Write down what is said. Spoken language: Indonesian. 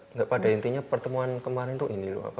nggak pada intinya pertemuan kemarin tuh ini loh apa